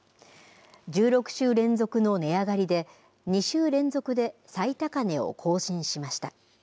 １６週連続の値上がりで、２週連続で最高値を更新しました。